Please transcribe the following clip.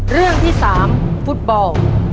เรื่องที่๓ฟุตบอล